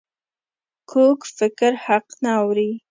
کوږ فکر حق نه اوري